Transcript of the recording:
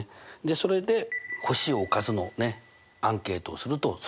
それで欲しいおかずのアンケートをすると。